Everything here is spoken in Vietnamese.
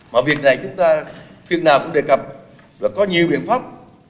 mà việc này chúng ta khi nào cũng đề cập và có nhiều biện pháp